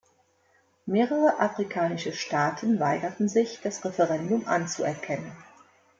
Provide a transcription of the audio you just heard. Mehrere afrikanische Staaten weigerten sich, das Referendum anzuerkennen.